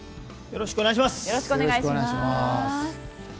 よろしくお願いします。